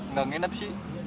tidak menginap sih